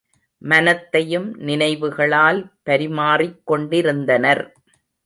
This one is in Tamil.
மனத்தையும் நினைவுகளால் பரிமாறிக் கொண்டிருந்தனர்.